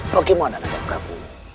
bagaimana nanda prabu